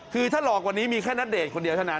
คือถ้าหลอกกว่านี้มีแค่นัตเดตคนเดียวเท่านั้น